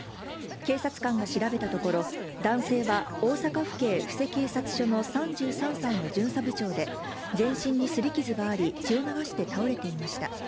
警察官が調べたところ、男性は大阪府警布施警察署の３３歳の巡査部長で、全身にすり傷があり、血を流して倒れていました。